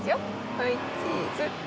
はいチーズ。